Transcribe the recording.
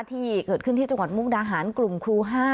ที่เกิดขึ้นที่จังหวัดมุกดาหารกลุ่มครู๕